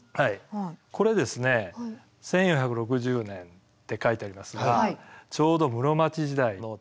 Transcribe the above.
これですね１４６０年って書いてありますがちょうど室町時代の地形図なんですね。